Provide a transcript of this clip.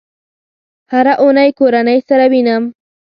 هره اونۍ کورنۍ سره وینم